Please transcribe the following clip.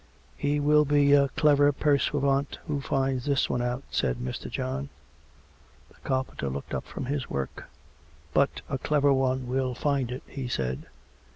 198 COME RACK! COME ROPE! " He will be a clever pursuivant who finds this one out/' said Mr. John. The carpenter looked up from his work. " But a clever one will find it," he said.